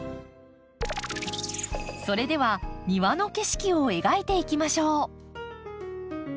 それでは庭の景色を描いていきましょう。